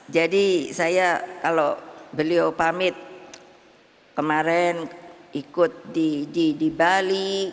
jadi saya kalau beliau pamit kemarin ikut di bali